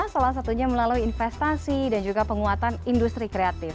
salah satunya melalui investasi dan juga penguatan industri kreatif